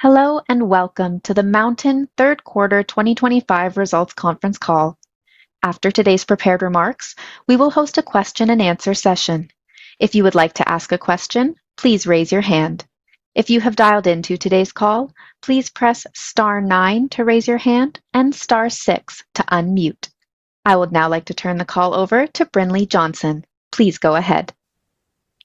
Hello and Welcome to the MNTN Q3 2025 Results Conference Call. After today's prepared remarks, we will host a question-and-answer session. If you would like to ask a question, please raise your hand. If you have dialed into today's call, please press star nine to raise your hand and star six to unmute. I would now like to turn the call over to Brinlea Johnson. Please go ahead.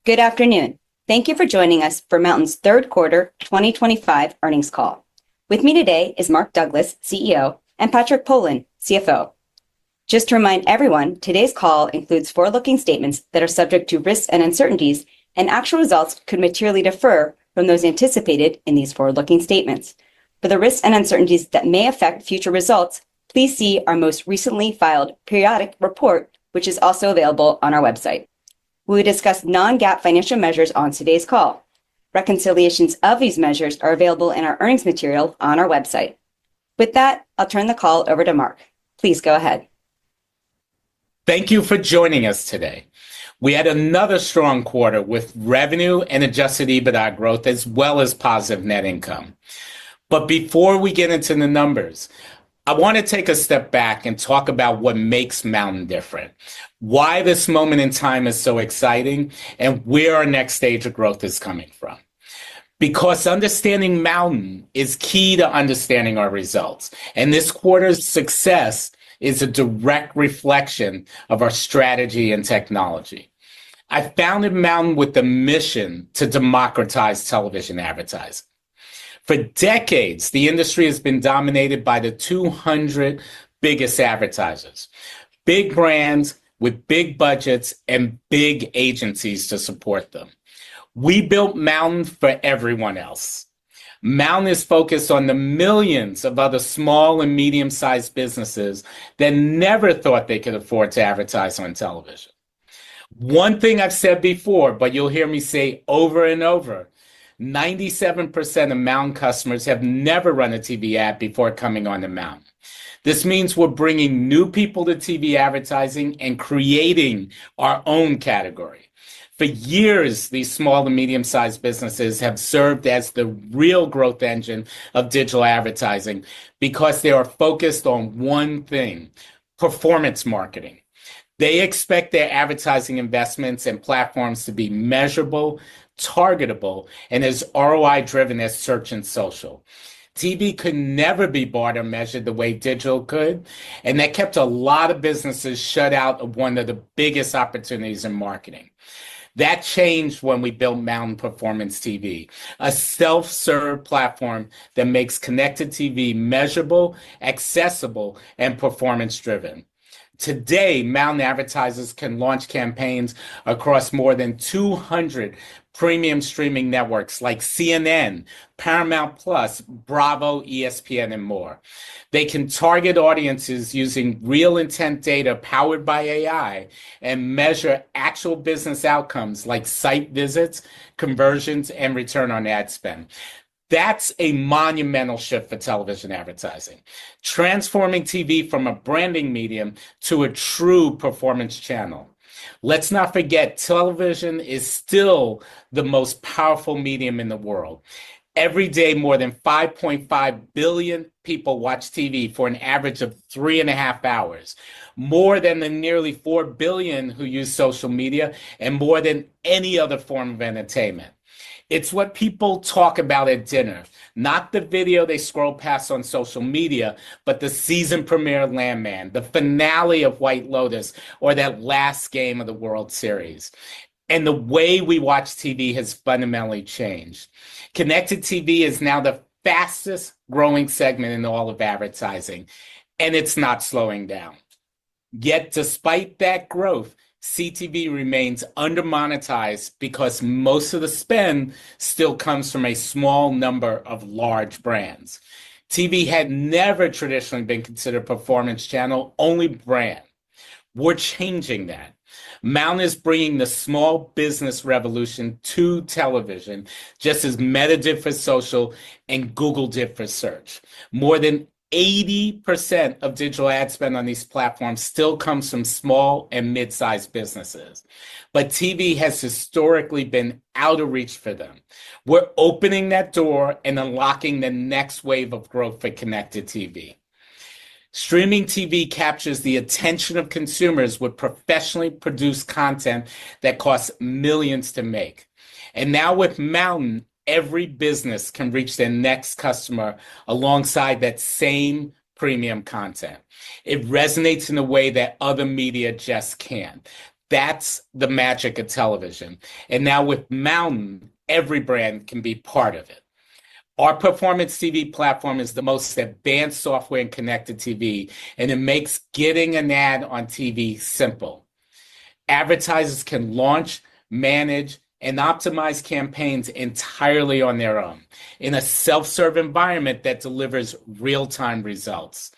Good afternoon. Thank you for joining us for MNTN Q3 2025 Earnings Call. With me today is Mark Douglas, CEO, and Patrick Pohlen, CFO. Just to remind everyone, today's call includes forward-looking statements that are subject to risks and uncertainties, and actual results could materially differ from those anticipated in these forward-looking statements. For the risks and uncertainties that may affect future results, please see our most recently filed periodic report, which is also available on our website. We will discuss non-GAAP financial measures on today's call. Reconciliations of these measures are available in our earnings material on our website. With that, I'll turn the call over to Mark. Please go ahead. Thank you for joining us today. We had another strong quarter with revenue and Adjusted EBITDA growth, as well as positive net income. But before we get into the numbers, I want to take a step back and talk about what makes MNTN different, why this moment in time is so exciting, and where our next stage of growth is coming from. Because understanding MNTN is key to understanding our results, and this quarter's success is a direct reflection of our strategy and technology. I founded MNTN with the mission to democratize television advertising. For decades, the industry has been dominated by the 200 biggest advertisers, big brands with big budgets and big agencies to support them. We built MNTN for everyone else. MNTN is focused on the millions of other small and medium-sized businesses that never thought they could afford to advertise on television. One thing I've said before, but you'll hear me say over and over. 97% of MNTN customers have never run a TV ad before coming onto MNTN. This means we're bringing new people to TV advertising and creating our own category. For years, these small and medium-sized businesses have served as the real growth engine of digital advertising because they are focused on one thing: performance marketing. They expect their advertising investments and platforms to be measurable, targetable, and as ROI-driven as search and social. TV could never be bought or measured the way digital could, and that kept a lot of businesses shut out of one of the biggest opportunities in marketing. That changed when we built MNTN Performance TV, a self-serve platform that makes connected TV measurable, accessible, and performance-driven. Today, MNTN advertisers can launch campaigns across more than 200 premium streaming networks like CNN, Paramount+, Bravo, ESPN, and more. They can target audiences using real intent data powered by AI and measure actual business outcomes like site visits, conversions, and return on ad spend. That's a monumental shift for television advertising, transforming TV from a branding medium to a true performance channel. Let's not forget, television is still the most powerful medium in the world. Every day, more than 5.5 billion people watch TV for an average of three and a half hours, more than the nearly four billion who use social media and more than any other form of entertainment. It's what people talk about at dinner, not the video they scroll past on social media, but the season premiere of Landman, the finale of White Lotus, or that last game of the World Series. And the way we watch TV has fundamentally changed. Connected TV is now the fastest-growing segment in all of advertising, and it's not slowing down. Yet, despite that growth, CTV remains undermonetized because most of the spend still comes from a small number of large brands. TV had never traditionally been considered a performance channel, only brand. We're changing that. MNTN is bringing the small business revolution to television, just as Meta did for social and Google did for search. More than 80% of digital ad spend on these platforms still comes from small and mid-sized businesses, but TV has historically been out of reach for them. We're opening that door and unlocking the next wave of growth for connected TV. Streaming TV captures the attention of consumers with professionally produced content that costs millions to make. And now, with MNTN, every business can reach their next customer alongside that same premium content. It resonates in a way that other media just can't. That's the magic of television. And now, with MNTN, every brand can be part of it. Our Performance TV platform is the most advanced software in connected TV, and it makes getting an ad on TV simple. Advertisers can launch, manage, and optimize campaigns entirely on their own in a self-serve environment that delivers real-time results.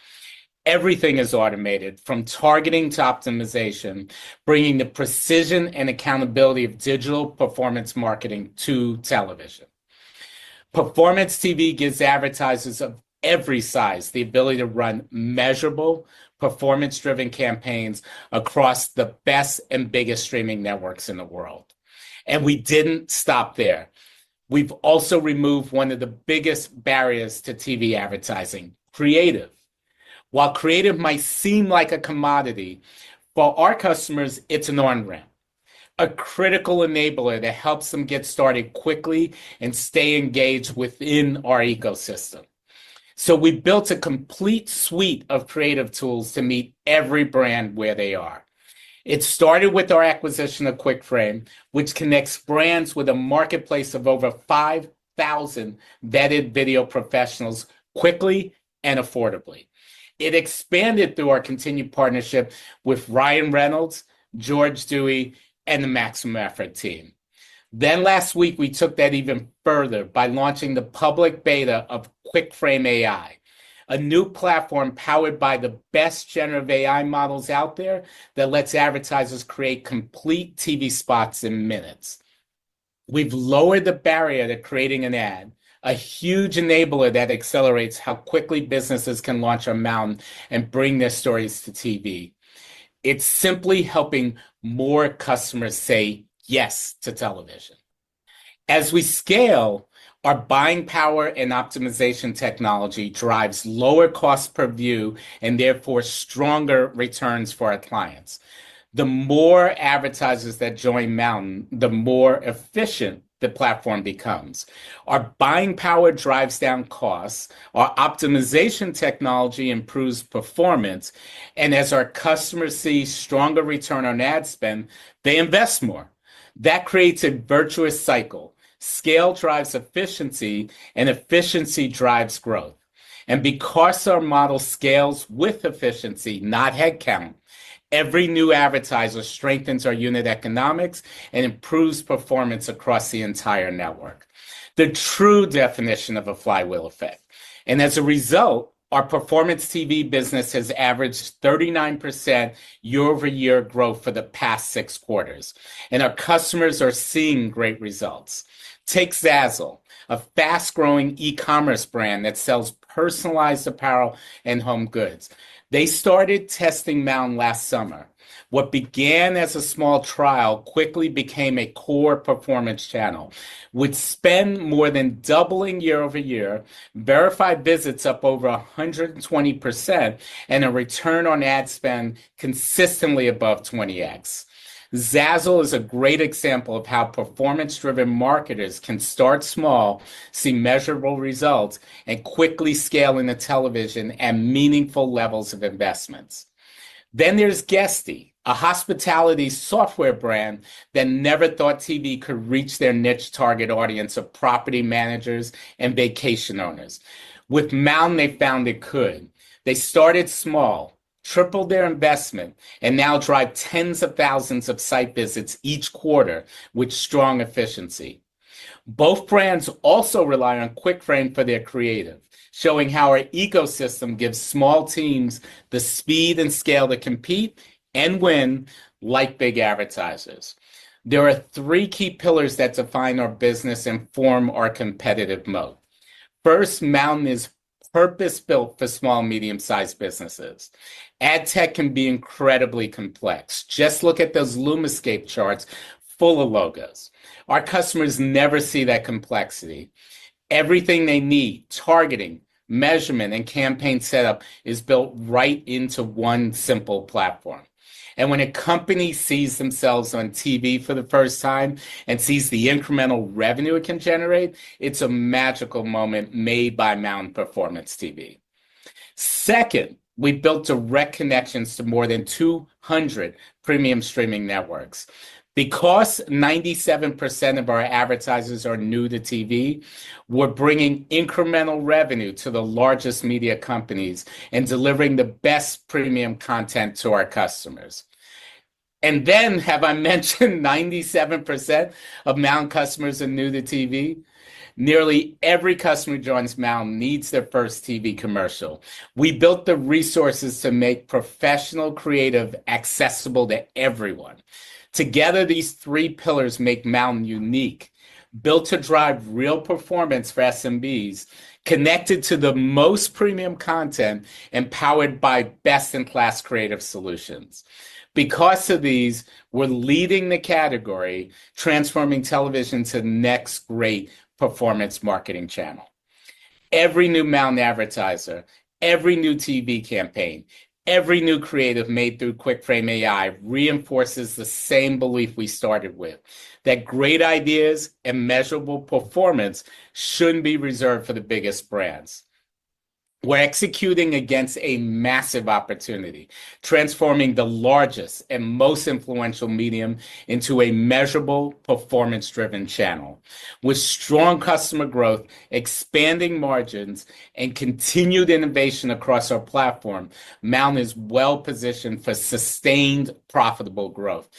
Everything is automated, from targeting to optimization, bringing the precision and accountability of digital performance marketing to television. Performance TV gives advertisers of every size the ability to run measurable, performance-driven campaigns across the best and biggest streaming networks in the world. And we didn't stop there. We've also removed one of the biggest barriers to TV advertising: creative. While creative might seem like a commodity, for our customers, it's an on-ramp, a critical enabler that helps them get started quickly and stay engaged within our ecosystem. So we built a complete suite of creative tools to meet every brand where they are. It started with our acquisition of QuickFrame, which connects brands with a marketplace of over 5,000 vetted video professionals quickly and affordably. It expanded through our continued partnership with Ryan Reynolds, George Dewey, and the Maximum Effort team. Then, last week, we took that even further by launching the public beta of QuickFrame AI, a new platform powered by the best generative AI models out there that lets advertisers create complete TV spots in minutes. We've lowered the barrier to creating an ad, a huge enabler that accelerates how quickly businesses can launch on MNTN and bring their stories to TV. It's simply helping more customers say yes to television. As we scale, our buying power and optimization technology drives lower cost per view and therefore stronger returns for our clients. The more advertisers that join MNTN, the more efficient the platform becomes. Our buying power drives down costs. Our optimization technology improves performance. And as our customers see stronger return on ad spend, they invest more. That creates a virtuous cycle. Scale drives efficiency, and efficiency drives growth. And because our model scales with efficiency, not headcount, every new advertiser strengthens our unit economics and improves performance across the entire network. The true definition of a flywheel effect. And as a result, our Performance TV business has averaged 39% year-over-year growth for the past six quarters, and our customers are seeing great results. Take Zazzle, a fast-growing e-commerce brand that sells personalized apparel and home goods. They started testing MNTN last summer. What began as a small trial quickly became a core performance channel, which spent more than doubling year-over-year, verified visits up over 120%, and a return on ad spend consistently above 20x. Zazzle is a great example of how performance-driven marketers can start small, see measurable results, and quickly scale into television at meaningful levels of investments. Then there's Guesty, a hospitality software brand that never thought TV could reach their niche target audience of property managers and vacation owners. With MNTN, they found it could. They started small, tripled their investment, and now drive tens of thousands of site visits each quarter with strong efficiency. Both brands also rely on QuickFrame for their creative, showing how our ecosystem gives small teams the speed and scale to compete and win like big advertisers. There are three key pillars that define our business and form our competitive moat. First, MNTN is purpose-built for small and medium-sized businesses. Ad tech can be incredibly complex. Just look at those LumaScape charts full of logos. Our customers never see that complexity. Everything they need, targeting, measurement, and campaign setup, is built right into one simple platform. And when a company sees themselves on TV for the first time and sees the incremental revenue it can generate, it's a magical moment made by MNTN Performance TV. Second, we built direct connections to more than 200 premium streaming networks. Because 97% of our advertisers are new to TV, we're bringing incremental revenue to the largest media companies and delivering the best premium content to our customers. And then, have I mentioned 97% of MNTN customers are new to TV? Nearly every customer who joins MNTN needs their first TV commercial. We built the resources to make professional creative accessible to everyone. Together, these three pillars make MNTN unique, built to drive real performance for SMBs, connected to the most premium content, and powered by best-in-class creative solutions. Because of these, we're leading the category, transforming television to the next great performance marketing channel. Every new MNTN advertiser, every new TV campaign, every new creative made through QuickFrame AI reinforces the same belief we started with: that great ideas and measurable performance shouldn't be reserved for the biggest brands. We're executing against a massive opportunity, transforming the largest and most influential medium into a measurable, performance-driven channel. With strong customer growth, expanding margins, and continued innovation across our platform, MNTN is well-positioned for sustained, profitable growth.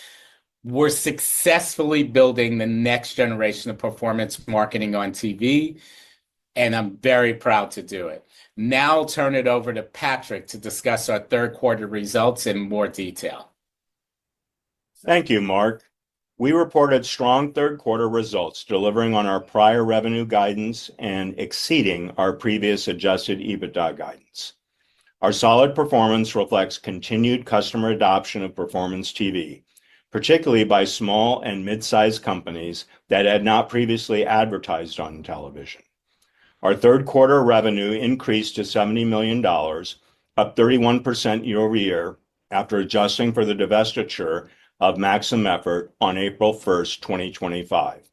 We're successfully building the next generation of performance marketing on TV.And I'm very proud to do it. Now I'll turn it over to Patrick to discuss our third-quarter results in more detail. Thank you, Mark. We reported strong third-quarter results, delivering on our prior revenue guidance and exceeding our previous Adjusted EBITDA guidance. Our solid performance reflects continued customer adoption of Performance TV, particularly by small and mid-sized companies that had not previously advertised on television. Our third-quarter revenue increased to $70 million, up 31% year-over-year after adjusting for the divestiture of Maximum Effort on April 1, 2025.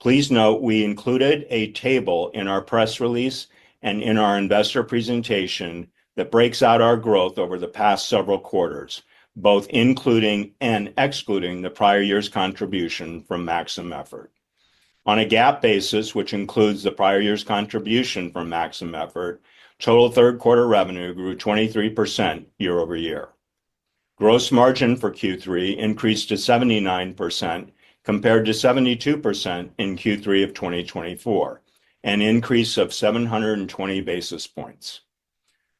Please note we included a table in our press release and in our investor presentation that breaks out our growth over the past several quarters, both including and excluding the prior year's contribution from Maximum Effort. On a GAAP basis, which includes the prior year's contribution from Maximum Effort, total third-quarter revenue grew 23% year-over-year. Gross margin for Q3 increased to 79%, compared to 72% in Q3 of 2024, an increase of 720 basis points.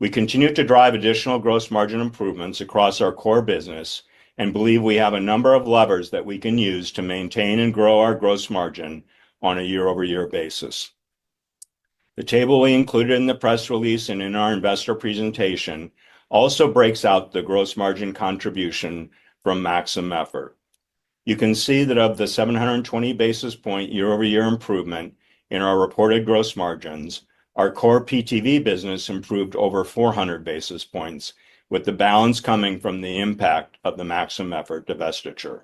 We continue to drive additional gross margin improvements across our core business and believe we have a number of levers that we can use to maintain and grow our gross margin on a year-over-year basis. The table we included in the press release and in our investor presentation also breaks out the gross margin contribution from Maximum Effort. You can see that of the 720 basis point year-over-year improvement in our reported gross margins, our core PTV business improved over 400 basis points, with the balance coming from the impact of the Maximum Effort divestiture.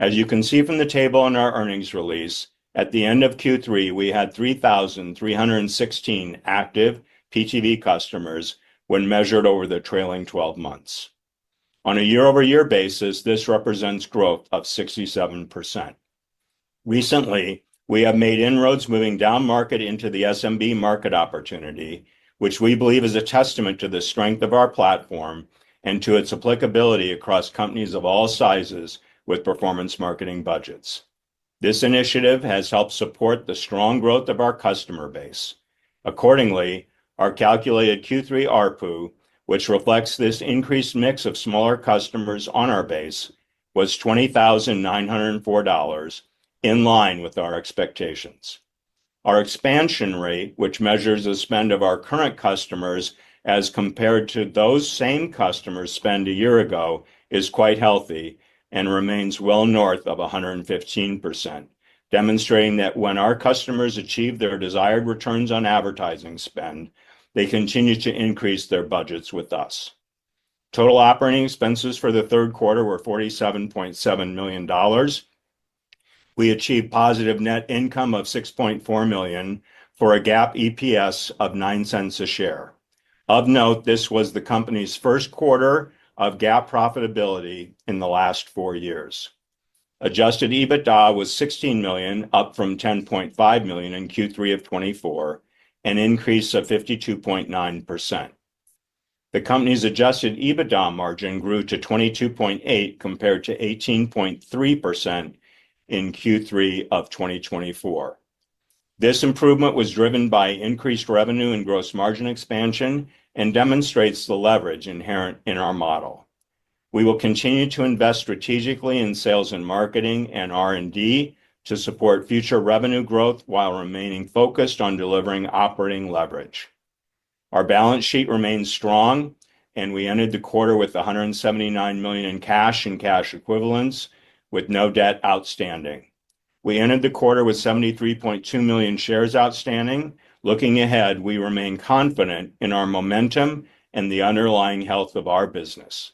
As you can see from the table in our earnings release, at the end of Q3, we had 3,316 active PTV customers when measured over the trailing 12 months. On a year-over-year basis, this represents growth of 67%. Recently, we have made inroads moving down market into the SMB market opportunity, which we believe is a testament to the strength of our platform and to its applicability across companies of all sizes with performance marketing budgets. This initiative has helped support the strong growth of our customer base. Accordingly, our calculated Q3 ARPU, which reflects this increased mix of smaller customers on our base, was $20,904 in line with our expectations. Our expansion rate, which measures the spend of our current customers as compared to those same customers' spend a year ago, is quite healthy and remains well north of 115%, demonstrating that when our customers achieve their desired returns on advertising spend, they continue to increase their budgets with us. Total operating expenses for the third quarter were $47.7 million. We achieved positive net income of $6.4 million for a GAAP EPS of $0.09 a share. Of note, this was the company's first quarter of GAAP profitability in the last four years. Adjusted EBITDA was $16 million, up from $10.5 million in Q3 of 2024, an increase of 52.9%. The company's adjusted EBITDA margin grew to 22.8% compared to 18.3% in Q3 of 2024. This improvement was driven by increased revenue and gross margin expansion and demonstrates the leverage inherent in our model. We will continue to invest strategically in sales and marketing and R&D to support future revenue growth while remaining focused on delivering operating leverage. Our balance sheet remains strong, and we ended the quarter with $179 million in cash and cash equivalents, with no debt outstanding. We ended the quarter with 73.2 million shares outstanding. Looking ahead, we remain confident in our momentum and the underlying health of our business.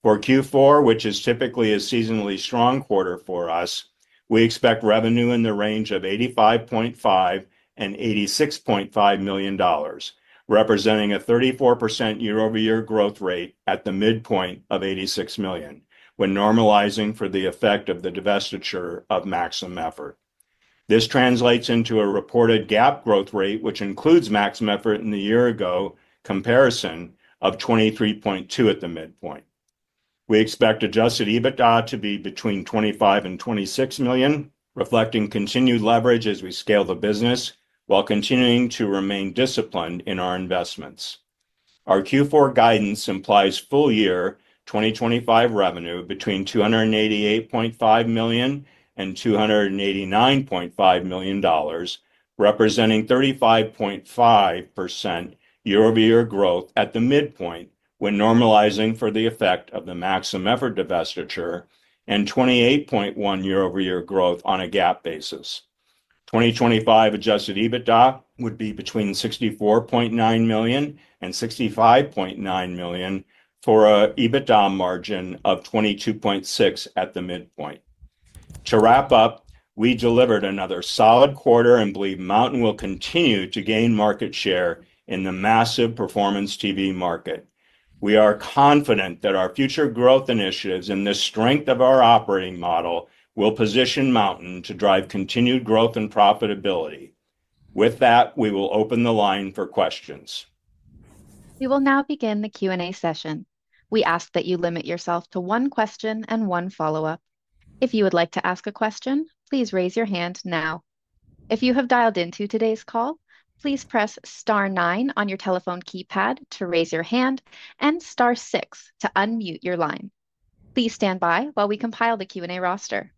For Q4, which is typically a seasonally strong quarter for us, we expect revenue in the range of $85.5 million to $86.5 million, representing a 34% year-over-year growth rate at the midpoint of $86 million, when normalizing for the effect of the divestiture of Maximum Effort. This translates into a reported GAAP growth rate, which includes Maximum Effort and the year-ago comparison, of 23.2% at the midpoint. We expect adjusted EBITDA to be between $25 million and $26 million, reflecting continued leverage as we scale the business while continuing to remain disciplined in our investments. Our Q4 guidance implies full-year 2025 revenue between $288.5 million and $289.5 million. Representing 35.5% year-over-year growth at the midpoint when normalizing for the effect of the Maximum Effort divestiture and 28.1% year-over-year growth on a GAAP basis. 2025 adjusted EBITDA would be between $64.9 million and $65.9 million for an EBITDA margin of 22.6% at the midpoint. To wrap up, we delivered another solid quarter and believe MNTN will continue to gain market share in the massive performance TV market. We are confident that our future growth initiatives and the strength of our operating model will position MNTN to drive continued growth and profitability. With that, we will open the line for questions. We will now begin the Q&A session. We ask that you limit yourself to one question and one follow-up. If you would like to ask a question, please raise your hand now. If you have dialed into today's call, please press star nine on your telephone keypad to raise your hand and star six to unmute your line. Please stand by while we compile the Q&A roster.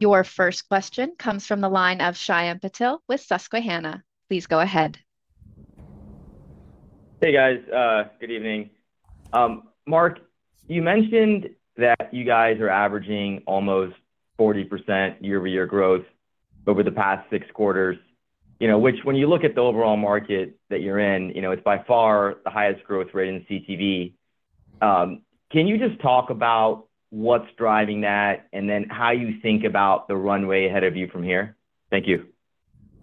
Your first question comes from the line of Shyam Patil with Susquehanna. Please go ahead. Hey, guys. Good evening. Mark, you mentioned that you guys are averaging almost 40% year-over-year growth over the past six quarters, you know which, when you look at the overall market that you're in, you know it's by far the highest growth rate in CTV. Can you just talk about what's driving that and then how you think about the runway ahead of you from here? Thank you.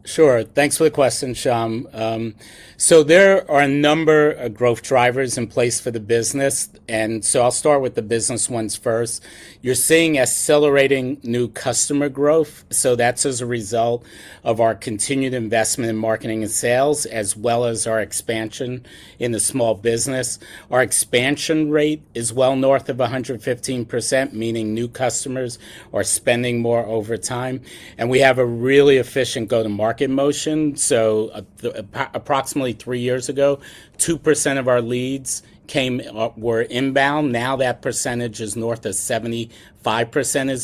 Sure. Thanks for the question, Shyam. So there are a number of growth drivers in place for the business. And so I'll start with the business ones first. You're seeing accelerating new customer growth. So that's as a result of our continued investment in marketing and sales, as well as our expansion in the small business. Our expansion rate is well north of 115%, meaning new customers are spending more over time. And we have a really efficient go-to-market motion. So. Approximately three years ago, 2% of our leads were inbound. Now that percentage is north of 75%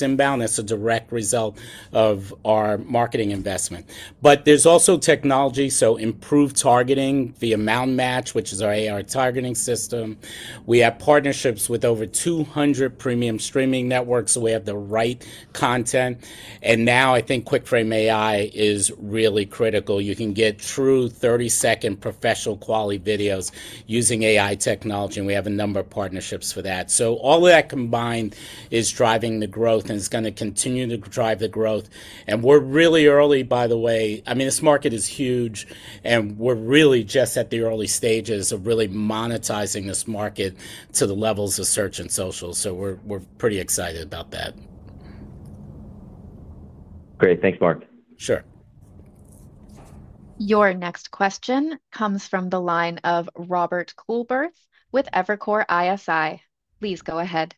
inbound. That's a direct result of our marketing investment. But there's also technology, so improved targeting via MountMatch, which is our AI targeting system. We have partnerships with over 200 premium streaming networks, so we have the right content. And now I think QuickFrame AI is really critical. You can get true 30-second professional-quality videos using AI technology. And we have a number of partnerships for that. So all of that combined is driving the growth, and it's going to continue to drive the growth. And we're really early, by the way. I mean, this market is huge, and we're really just at the early stages of really monetizing this market to the levels of search and social. So we're pretty excited about that. Great. Thanks, Mark. Sure. Your next question comes from the line of Robert Kohlberg with Evercore ISI. Please go ahead.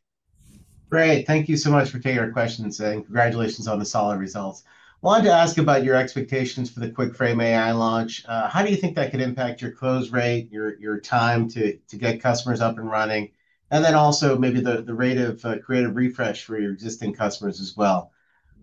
Great. Thank you so much for taking our questions and congratulations on the solid results. I wanted to ask about your expectations for the QuickFrame AI launch. How do you think that could impact your close rate, your time to get customers up and running, and then also maybe the rate of creative refresh for your existing customers as well?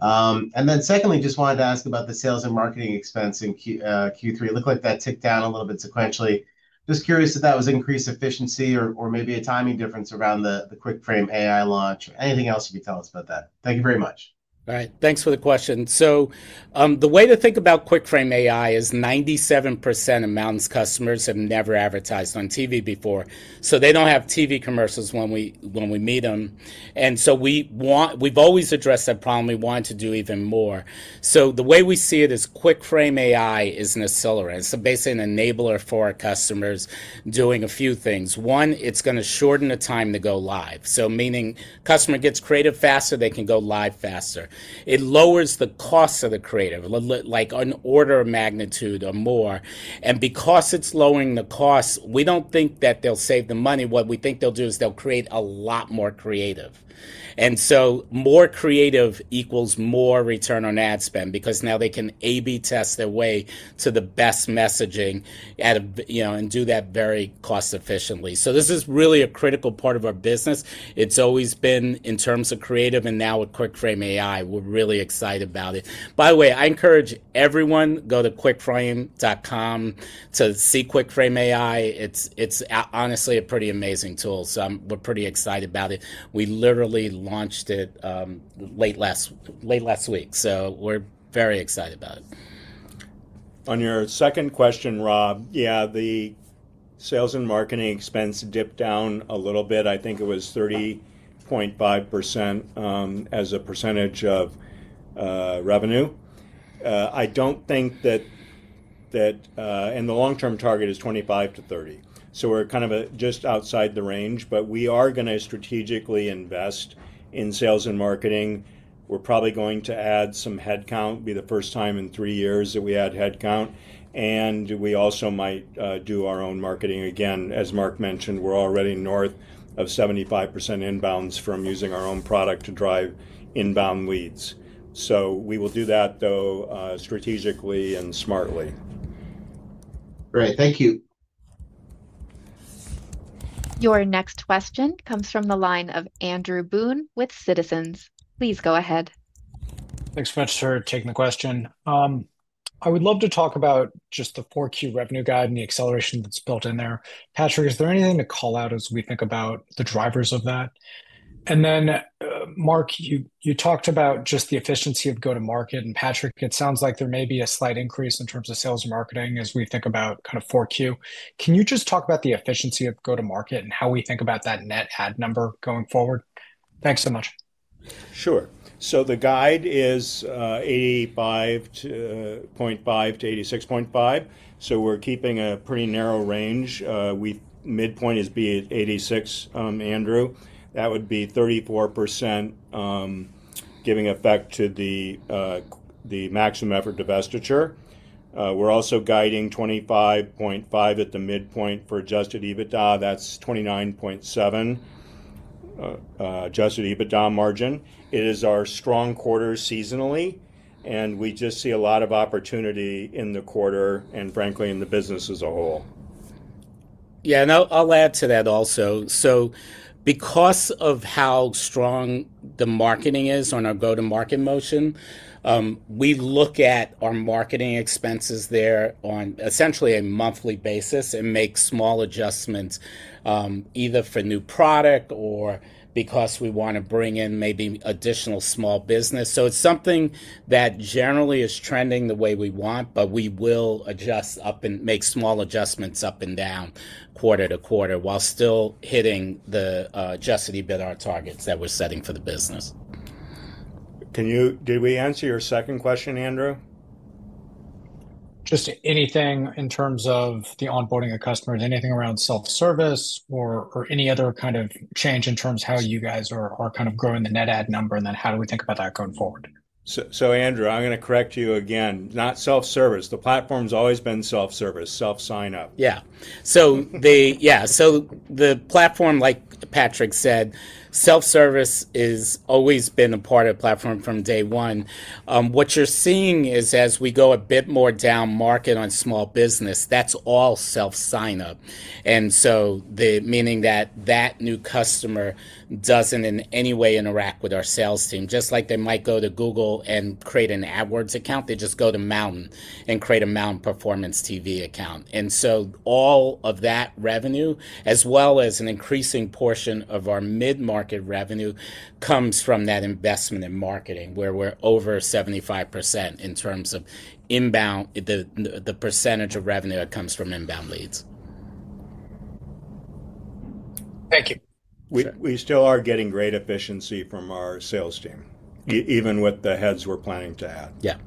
And then secondly, just wanted to ask about the sales and marketing expense in Q3. It looked like that ticked down a little bit sequentially. Just curious if that was increased efficiency or maybe a timing difference around the QuickFrame AI launch. Anything else you could tell us about that? Thank you very much. All right. Thanks for the question. So the way to think about QuickFrame AI is 97% of MNTN's customers have never advertised on TV before. So they don't have TV commercials when we meet them. And so we've always addressed that problem. We wanted to do even more. So the way we see it is QuickFrame AI is an accelerant, so basically an enabler for our customers doing a few things. One, it's going to shorten the time to go live. So meaning customer gets creative faster, they can go live faster. It lowers the cost of the creative, like an order of magnitude or more. And because it's lowering the cost, we don't think that they'll save the money. What we think they'll do is they'll create a lot more creative. And so more creative equals more return on ad spend because now they can A/B test their way to the best messaging and do that very cost-efficiently. So this is really a critical part of our business. It's always been in terms of creative, and now with QuickFrame AI, we're really excited about it. By the way, I encourage everyone to go to quickframe.com to see QuickFrame AI. It's honestly a pretty amazing tool. So we're pretty excited about it. We literally launched it late last week. So we're very excited about it. On your second question, Rob, yeah, the. Sales and marketing expense dipped down a little bit. I think it was 30.5% as a percentage of revenue. I don't think that in the long-term target is 25% to 30%. So we're kind of just outside the range. But we are going to strategically invest in sales and marketing. We're probably going to add some headcount. It'll be the first time in three years that we add headcount. And we also might do our own marketing. Again, as Mark mentioned, we're already north of 75% inbounds from using our own product to drive inbound leads. So we will do that, though, strategically and smartly. Great. Thank you. Your next question comes from the line of Andrew Boone with Citizens. Please go ahead. Thanks so much for taking the question. I would love to talk about just the Q4 revenue guide and the acceleration that's built in there. Patrick, is there anything to call out as we think about the drivers of that? And then, Mark, you talked about just the efficiency of go-to-market. And Patrick, it sounds like there may be a slight increase in terms of sales and marketing as we think about kind of Q4. Can you just talk about the efficiency of go-to-market and how we think about that net ad number going forward? Thanks so much. Sure. So the guide is $85.5 million to $86.5 million. So we're keeping a pretty narrow range. Midpoint is $86 million, Andrew. That would be 34%. Giving effect to the Maximum Effort divestiture. We're also guiding $25.5 million at the midpoint for adjusted EBITDA. That's 29.7% adjusted EBITDA margin. It is our strong quarter seasonally. And we just see a lot of opportunity in the quarter and, frankly, in the business as a whole. Yeah. And I'll add to that also. So because of how strong the marketing is on our go-to-market motion. We look at our marketing expenses there on essentially a monthly basis and make small adjustments. Either for new product or because we want to bring in maybe additional small business. So it's something that generally is trending the way we want, but we will adjust up and make small adjustments up and down quarter-to-quarter while still hitting the adjusted EBITDA targets that we're setting for the business. Did we answer your second question, Andrew? Just anything in terms of the onboarding of customers, anything around self-service or any other kind of change in terms of how you guys are kind of growing the net ad number and then how do we think about that going forward? So, Andrew, I'm going to correct you again. Not self-service. The platform's always been self-service, self-sign-up. Yeah. So, yeah. So the platform, like Patrick said, self-service has always been a part of the platform from day one. What you're seeing is as we go a bit more down market on small business, that's all self-sign-up. And so meaning that new customer doesn't in any way interact with our sales team. Just like they might go to Google and create an AdWords account, they just go to MNTN and create a MNTN Performance TV account. And so all of that revenue, as well as an increasing portion of our mid-market revenue, comes from that investment in marketing, where we're over 75% in terms of the percentage of revenue that comes from inbound leads. Thank you. We still are getting great efficiency from our sales team, even with the heads we're planning to add. Yeah.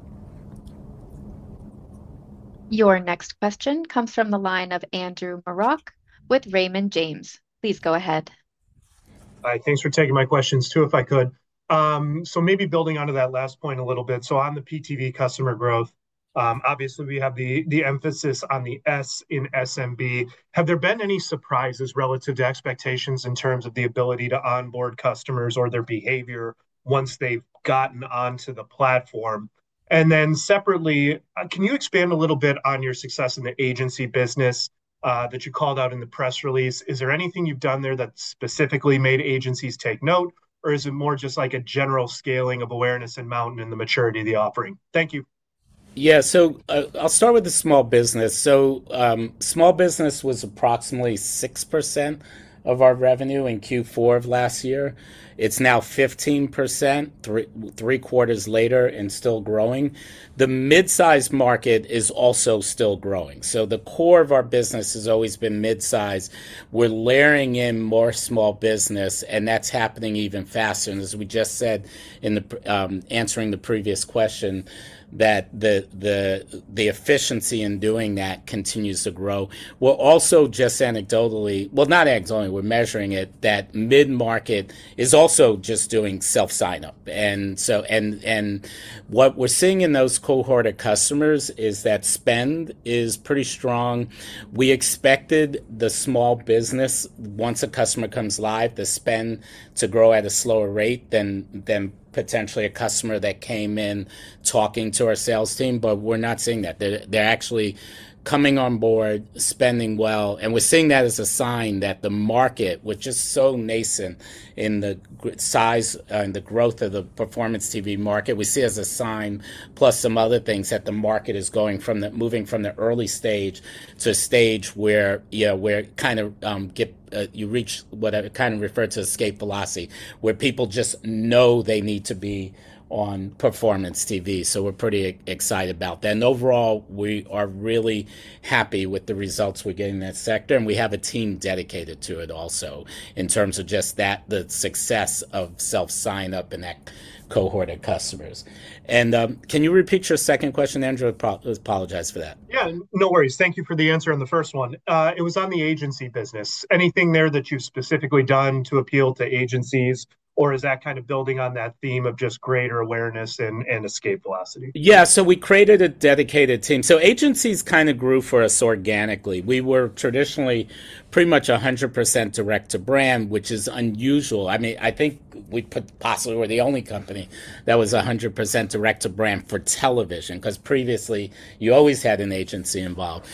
Your next question comes from the line of Andrew Murrock with Raymond James. Please go ahead. Hi. Thanks for taking my questions too, if I could. So maybe building onto that last point a little bit. So on the PTV customer growth, obviously, we have the emphasis on the S in SMB. Have there been any surprises relative to expectations in terms of the ability to onboard customers or their behavior once they've gotten onto the platform? And then separately, can you expand a little bit on your success in the agency business that you called out in the press release? Is there anything you've done there that specifically made agencies take note, or is it more just like a general scaling of awareness in MNTN and the maturity of the offering? Thank you. Yeah. So I'll start with the small business. So small business was approximately 6% of our revenue in Q4 of last year. It's now 15%. Three quarters later and still growing. The mid-size market is also still growing. So the core of our business has always been mid-size. We're layering in more small business, and that's happening even faster. And as we just said in answering the previous question, that the efficiency in doing that continues to grow. We'll also just anecdotally, well, not anecdotally, we're measuring it, that mid-market is also just doing self-sign-up. And what we're seeing in those cohort of customers is that spend is pretty strong. We expected the small business, once a customer comes live, to spend to grow at a slower rate than potentially a customer that came in talking to our sales team. But we're not seeing that. They're actually coming on board, spending well. And we're seeing that as a sign that the market, which is so nascent in the size and the growth of the performance TV market, we see as a sign, plus some other things, that the market is moving from the early stage to a stage where kind of you reach what I kind of refer to as escape velocity, where people just know they need to be on performance TV. So we're pretty excited about that. And overall, we are really happy with the results we're getting in that sector. And we have a team dedicated to it also in terms of just the success of self-sign-up and that cohort of customers. And can you repeat your second question, Andrew? I apologize for that. Yeah. No worries. Thank you for the answer on the first one. It was on the agency business. Anything there that you've specifically done to appeal to agencies, or is that kind of building on that theme of just greater awareness and escape velocity? Yeah. So we created a dedicated team. So agencies kind of grew for us organically. We were traditionally pretty much 100% direct-to-brand, which is unusual. I mean, I think we possibly were the only company that was 100% direct-to-brand for television because previously, you always had an agency involved.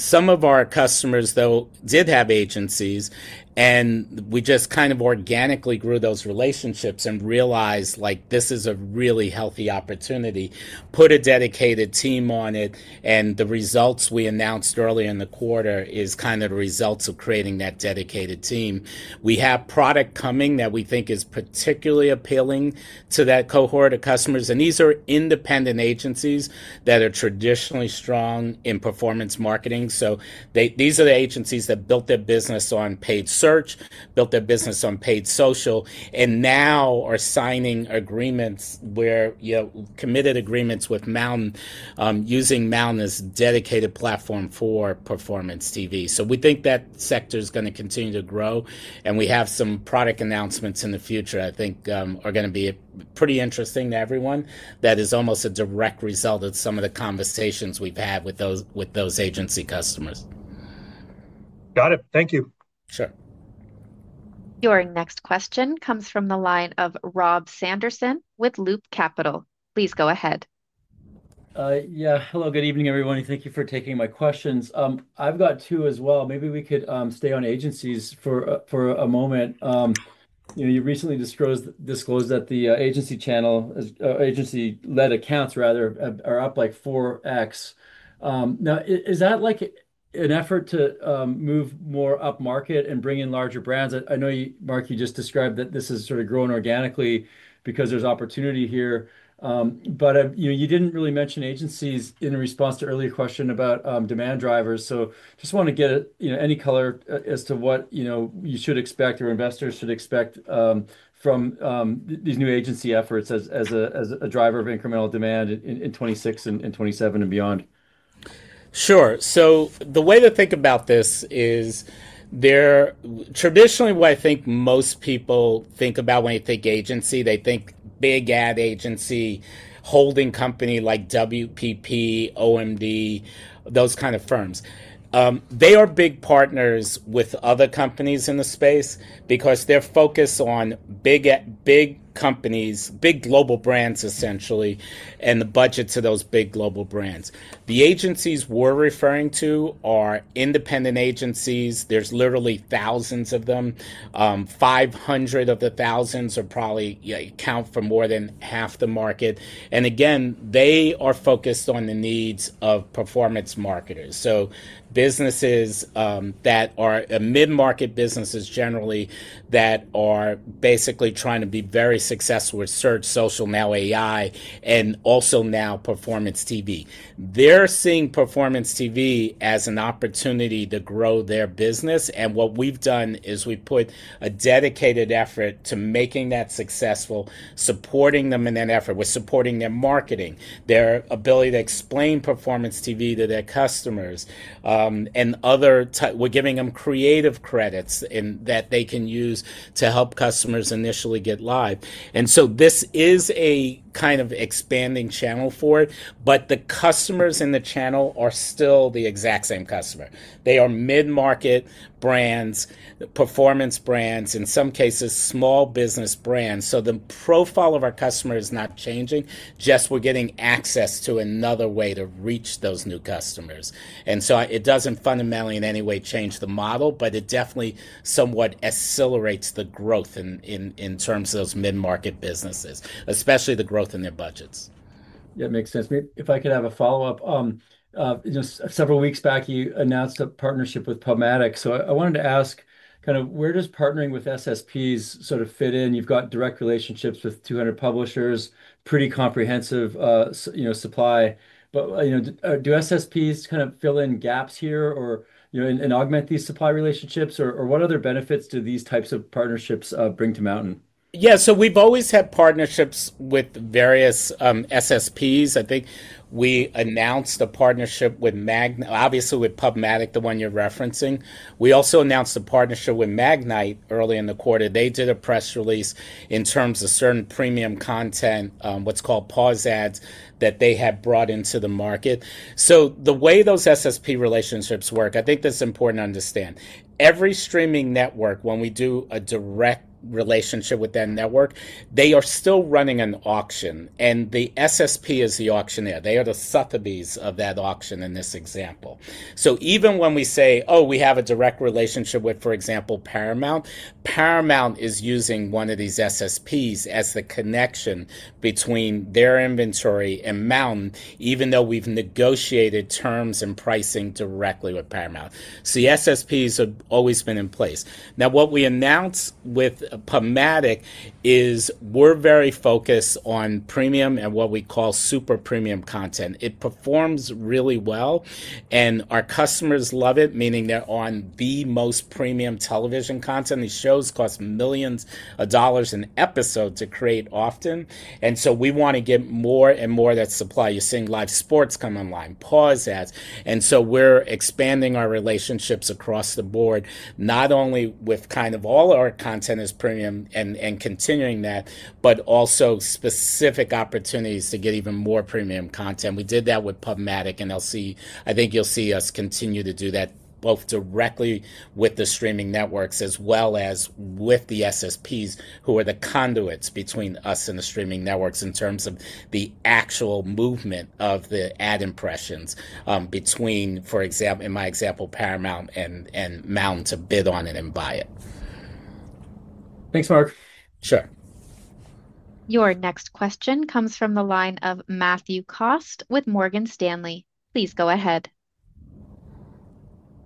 Some of our customers, though, did have agencies. And we just kind of organically grew those relationships and realized this is a really healthy opportunity. Put a dedicated team on it. And the results we announced earlier in the quarter is kind of the results of creating that dedicated team. We have product coming that we think is particularly appealing to that cohort of customers. And these are independent agencies that are traditionally strong in performance marketing. So these are the agencies that built their business on paid search, built their business on paid social, and now are signing agreements with MNTN using MNTN as a dedicated platform for performance TV. So we think that sector is going to continue to grow. And we have some product announcements in the future, I think, that are going to be pretty interesting to everyone. That is almost a direct result of some of the conversations we've had with those agency customers. Got it. Thank you. Sure. Your next question comes from the line of Rob Sanderson with Loop Capital. Please go ahead. Yeah. Hello. Good evening, everyone. Thank you for taking my questions. I've got two as well. Maybe we could stay on agencies for a moment. You recently disclosed that the agency channel-led accounts, rather, are up like 4X. Now, is that an effort to move more up market and bring in larger brands? I know, Mark, you just described that this is sort of growing organically because there's opportunity here. But you didn't really mention agencies in response to earlier question about demand drivers. So just want to get any color as to what you should expect or investors should expect from these new agency efforts as a driver of incremental demand in 2026 and 2027 and beyond. Sure. So the way to think about this is traditionally, what I think most people think about when they think agency, they think big ad agency holding company like WPP, OMD, those kind of firms. They are big partners with other companies in the space because they're focused on big companies, big global brands, essentially, and the budgets of those big global brands. The agencies we're referring to are independent agencies. There's literally thousands of them. 500 of the thousands probably account for more than half the market. And again, they are focused on the needs of performance marketers. So businesses that are mid-market businesses, generally, that are basically trying to be very successful with search, social, now AI, and also now performance TV. They're seeing performance TV as an opportunity to grow their business. And what we've done is we put a dedicated effort to making that successful, supporting them in that effort. We're supporting their marketing, their ability to explain performance TV to their customers. And other types, we're giving them creative credits that they can use to help customers initially get live. And so this is a kind of expanding channel for it. But the customers in the channel are still the exact same customer. They are mid-market brands, performance brands, in some cases, small business brands. So the profile of our customer is not changing. Just we're getting access to another way to reach those new customers. And so it doesn't fundamentally in any way change the model, but it definitely somewhat accelerates the growth in terms of those mid-market businesses, especially the growth in their budgets. Yeah. Makes sense. If I could have a follow-up. Several weeks back, you announced a partnership with PubMatic. So I wanted to ask kind of where does partnering with SSPs sort of fit in? You've got direct relationships with 200 publishers, pretty comprehensive supply. But do SSPs kind of fill in gaps here or augment these supply relationships? Or what other benefits do these types of partnerships bring to MNTN? Yeah. So we've always had partnerships with various SSPs. I think we announced a partnership with obviously with PubMatic, the one you're referencing. We also announced a partnership with Magnite early in the quarter. They did a press release in terms of certain premium content, what's called pause ads, that they had brought into the market. So the way those SSP relationships work, I think that's important to understand. Every streaming network, when we do a direct relationship with that network, they are still running an auction. And the SSP is the auctioneer. They are the Sotheby's of that auction in this example. So even when we say, "Oh, we have a direct relationship with, for example, Paramount," Paramount is using one of these SSPs as the connection between their inventory and MNTN, even though we've negotiated terms and pricing directly with Paramount. So the SSPs have always been in place. Now, what we announced with PubMatic is we're very focused on premium and what we call super premium content. It performs really well, and our customers love it, meaning they're on the most premium television content. These shows cost millions of dollars an episode to create often. And so we want to get more and more of that supply. You're seeing live sports come online, pause ads. And so we're expanding our relationships across the board, not only with kind of all our content as premium and continuing that, but also specific opportunities to get even more premium content. We did that with Paramount+, and I think you'll see us continue to do that both directly with the streaming networks as well as with the SSPs, who are the conduits between us and the streaming networks in terms of the actual movement of the ad impressions between, for example, in my example, Paramount and MNTN to bid on it and buy it. Thanks, Mark. Sure. Your next question comes from the line of Matthew Cost with Morgan Stanley. Please go ahead.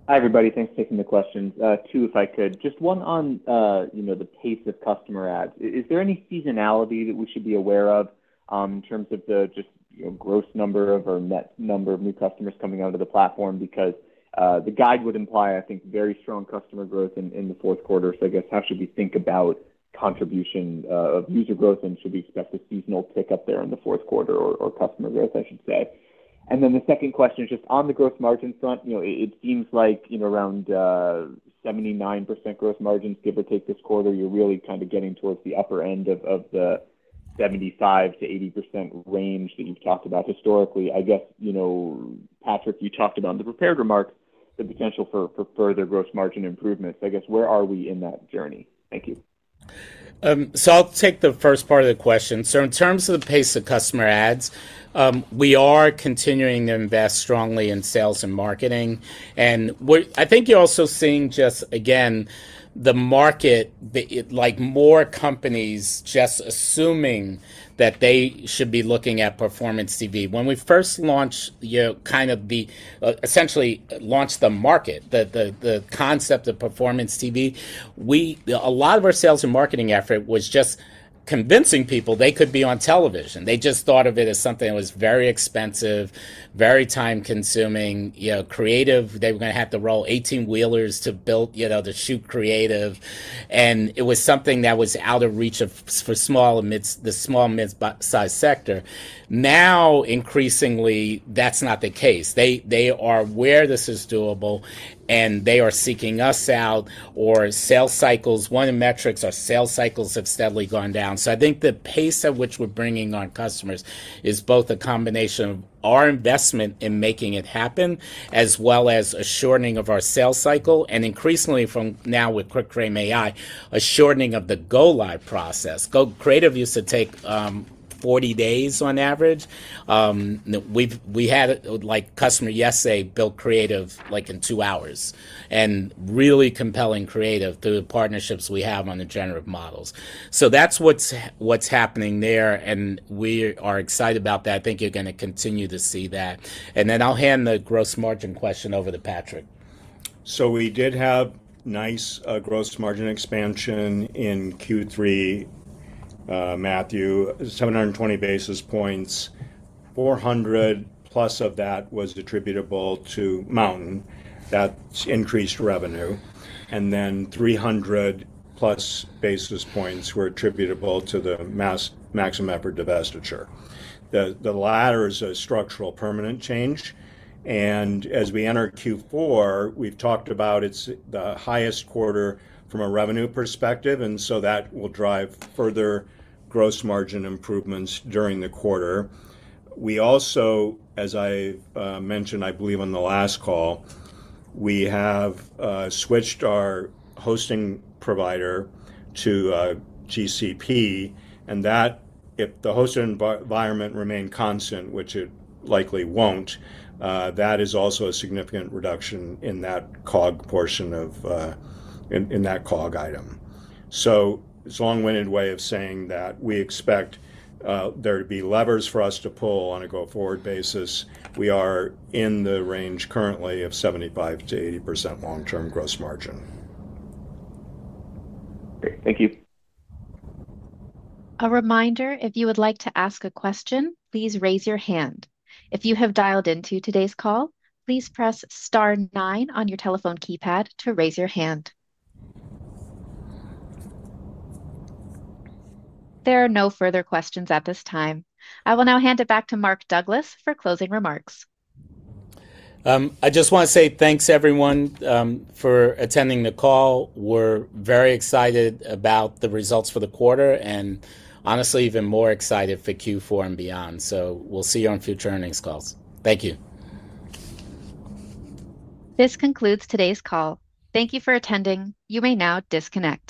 Hi, everybody. Thanks for taking the questions. Two, if I could. Just one on. The pace of customer adds. Is there any seasonality that we should be aware of in terms of just gross number of or net number of new customers coming out of the platform? Because the guide would imply, I think, very strong customer growth in the fourth quarter. So I guess, how should we think about contribution of user growth, and should we expect a seasonal pickup there in the fourth quarter or customer growth, I should say? And then the second question is just on the gross margin front. It seems like around 79% gross margins, give or take this quarter, you're really kind of getting towards the upper end of the 75% to 80% range that you've talked about historically. I guess. Patrick, you talked about in the prepared remarks the potential for further gross margin improvements. I guess, where are we in that journey? Thank you. So I'll take the first part of the question. So in terms of the pace of customer adds, we are continuing to invest strongly in sales and marketing. And I think you're also seeing just, again, the market. Like more companies just assuming that they should be looking at performance TV. When we first launched kind of the. Essentially launched the market, the concept of performance TV. A lot of our sales and marketing effort was just convincing people they could be on television. They just thought of it as something that was very expensive, very time-consuming, creative. They were going to have to roll 18-wheelers to shoot creative. And it was something that was out of reach for small- and mid-sized sector. Now, increasingly, that's not the case. They are aware this is doable, and they are seeking us out. Our sales cycles. One of the metrics are sales cycles have steadily gone down. So I think the pace at which we're bringing our customers is both a combination of our investment in making it happen as well as a shortening of our sales cycle. And increasingly, now with QuickFrame AI, a shortening of the go-live process. Creative used to take 40 days on average. We had a customer, yes, they built creative in two hours and really compelling creative through the partnerships we have on the generative models. So that's what's happening there, and we are excited about that. I think you're going to continue to see that. And then I'll hand the gross margin question over to Patrick. So we did have nice gross margin expansion in Q3. Matthew, 720 basis points. 400 plus of that was attributable to MNTN. That's increased revenue. And then 300 plus basis points were attributable to the Maximum Effort divestiture. The latter is a structural permanent change. And as we enter Q4, we've talked about it's the highest quarter from a revenue perspective. And so that will drive further gross margin improvements during the quarter. We also, as I mentioned, I believe on the last call, we have switched our hosting provider to GCP. And that, if the hosting environment remained constant, which it likely won't, that is also a significant reduction in that COGS portion of in that COGS item. So it's a long-winded way of saying that we expect there to be levers for us to pull on a go-forward basis. We are in the range currently of 75% to 80% long-term gross margin. Great. Thank you. A reminder, if you would like to ask a question, please raise your hand. If you have dialed into today's call, please press star nine on your telephone keypad to raise your hand. There are no further questions at this time. I will now hand it back to Mark Douglas for closing remarks. I just want to say thanks, everyone, for attending the call. We're very excited about the results for the quarter and honestly, even more excited for Q4 and beyond. So we'll see you on future earnings calls. Thank you. This concludes today's call. Thank you for attending. You may now disconnect.